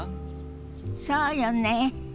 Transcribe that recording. そうよね。